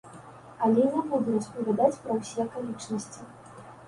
Але не буду распавядаць пра ўсе акалічнасці.